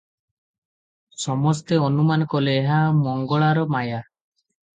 ସମସ୍ତେ ଅନୁମାନ କଲେ, ଏହା ମଙ୍ଗଳାର ମାୟା ।